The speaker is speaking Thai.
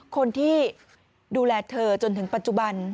คนที่ดูแลเธอจนถึงปัจจุบัน